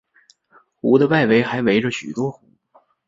湖的外围还围着许多湖。